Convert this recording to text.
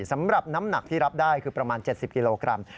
สำหรับน้ำหนักที่รับได้คือประมาณ๗๐กิโลกรัม